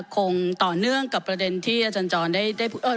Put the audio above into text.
คงต่อเนื่องกับประเด็นที่อาจารย์จรได้